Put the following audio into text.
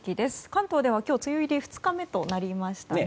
関東では今日梅雨入り２日目となりました。